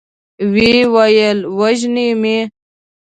ويې ويل: وژني مې؟